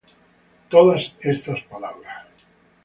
Todas estas palabras: